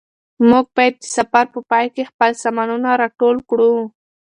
موږ باید د سفر په پای کې خپل سامانونه راټول کړو.